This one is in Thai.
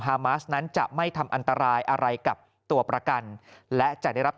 มาสนั้นจะไม่ทำอันตรายอะไรกับตัวประกันและจะได้รับ